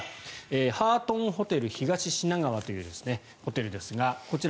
ハートンホテル東品川というホテルですがこちら